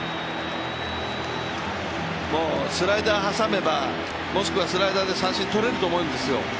もうスライダー挟めば、もしくはスライダーで三振とれると思うんですよ。